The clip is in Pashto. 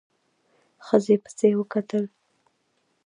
ښځې پسې وکتل.